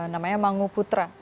namanya mangu putra